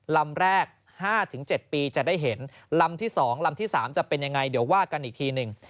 ลำแรก๕๗ปีจะได้เห็นลำที่๒ลำที่๓จะเป็นยังไงเดี๋ยวว่ากันอีกทีหนึ่ง